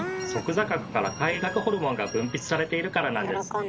坐核から快楽ホルモンが分泌されているからなんです。